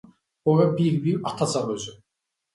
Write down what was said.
Fires used to be lit in every street on the Eve of St. John.